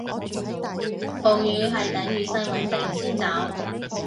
暴雨係等雨勢穩定先走